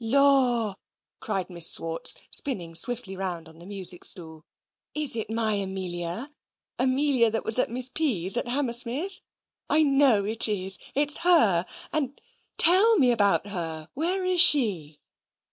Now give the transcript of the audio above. "Lor!" cried Miss Swartz, spinning swiftly round on the music stool, "is it my Amelia? Amelia that was at Miss P.'s at Hammersmith? I know it is. It's her, and Tell me about her where is she?"